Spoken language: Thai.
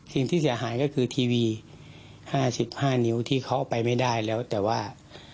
สิ่งที่เสียหายก็คือทีวี๕๕นิ้วที่เขาเอาไปไม่ได้แล้วแต่ว่า